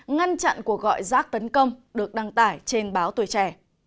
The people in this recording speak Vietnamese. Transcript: ngăn chặn cuộc gọi rác tấn công được đăng tải trên báo tuổi trẻ